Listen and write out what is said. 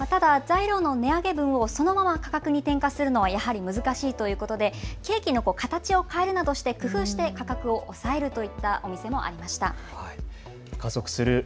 ただ材料の値上げ分をそのまま価格に転嫁するのはやはり難しいということでケーキの形を変えるなど工夫して価格を抑えるといったお店もありました。